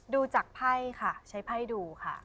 ดูจากไพ่ค่ะใช้ไพ่ดูค่ะ